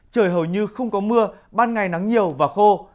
trời hầu như không có mưa ban ngày nắng nhiều và khô